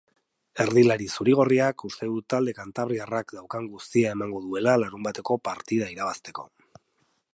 Erdilari zuri-gorriak uste du talde kantabriarrak daukan guztia emango duela larunbateko partida irabazteko.